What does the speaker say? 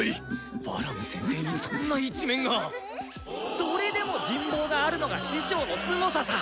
バラム先生にそんな一面が⁉それでも人望があるのが師匠のすごささ！